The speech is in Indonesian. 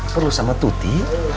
perlu sama tuti